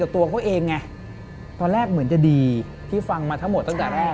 ตอนแรกเหมือนจะดีที่ฟังมาทั้งหมดตั้งแต่แรกนะ